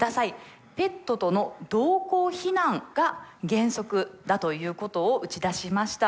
ペットとの同行避難が原則だということを打ち出しました。